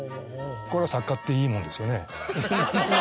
作家っていいもんですよね。